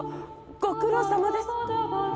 ご苦労さまです！